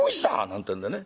なんてんでね